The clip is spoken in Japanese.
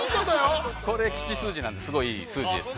◆これ、吉数字なんですごいいい数字です。